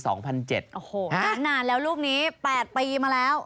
โอ้โหนานแล้วรูปนี้๘ปีมาแล้ว